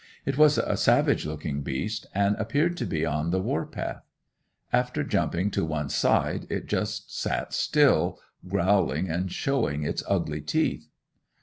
It was a savage looking beast and appeared to be on the war path. After jumping to one side it just sat still, growling and showing its ugly teeth.